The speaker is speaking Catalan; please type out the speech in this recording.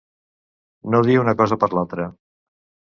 No dir una cosa per l'altra.